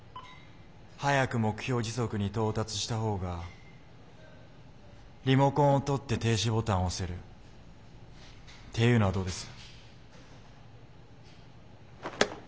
早く目標時速に到達した方がリモコンを取って「停止ボタン」を押せるっていうのはどうです？